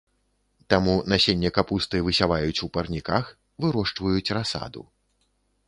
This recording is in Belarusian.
Таму насенне капусты высяваюць у парніках, вырошчваюць расаду.